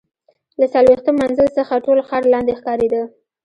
له څلوېښتم منزل څخه ټول ښار لاندې ښکارېده.